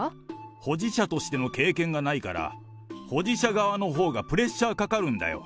保持者としての経験がないから、保持者側のほうがプレッシャーかかるんだよ。